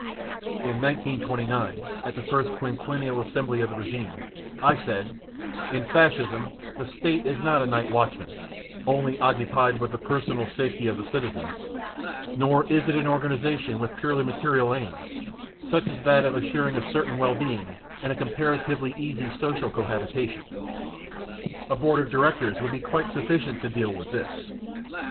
In 1929 at the first quinquiennial assembly of the Regime, I said: "In Fascism the State is not a night watchman, only occupied with the personal safety of the citizens, nor is it an organisation with purely material aims, such as that of assuring a certain well being and a comparatively easy social cohabitation. A board of directors would be quite sufficient to deal with this.